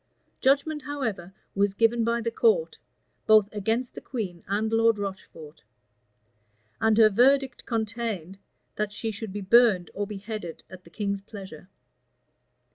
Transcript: Judgment, however, was given by the court, both against the queen and Lord Rocheford; and her verdict contained, that she should be burned or beheaded at the king's pleasure.